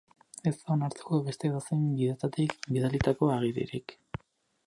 Ez da onartuko beste edozein bidetatik bidalitako agiririk.